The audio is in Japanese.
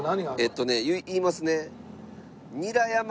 えっとね言いますね。